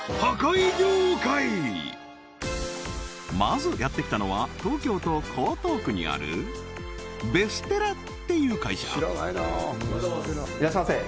まずやって来たのは東京都江東区にあるベステラっていう会社おはようございます